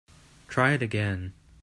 Try it again.